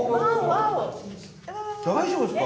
大丈夫ですか？